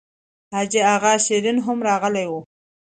حاجي اغا شېرین هم راغلی و.